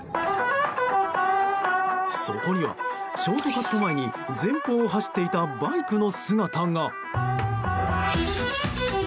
そこには、ショートカット前に前方を走っていたバイクの姿が。